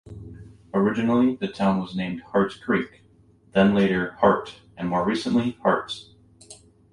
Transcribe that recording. Originally, the town was named "Heart's Creek," then later "Hart" and more recently "Harts.